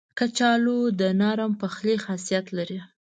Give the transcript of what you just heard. کچالو د نرم پخلي خاصیت لري